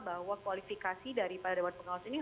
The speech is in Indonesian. bahwa kualifikasi dari pada dewan pengawas ini